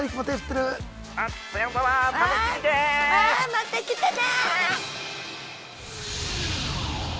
また来てね。